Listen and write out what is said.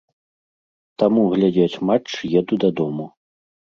Таму глядзець матч еду дадому.